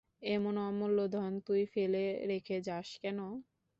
এমন অমুল্য ধন তুই ফেলে রেখে যাস কেন?